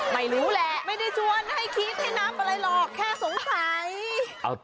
ไม่รู้แหละไม่ได้ชวนให้คิดให้นับอะไรหรอกแค่สงสัย